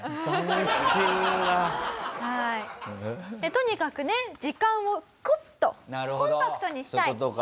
とにかくね時間をクッとコンパクトにしたい。